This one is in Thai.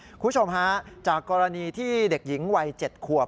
คุณผู้ชมฮะจากกรณีที่เด็กหญิงวัย๗ขวบ